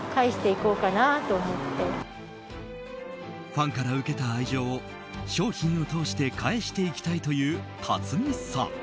ファンから受けた愛情を商品をとおして返していきたいという立見さん。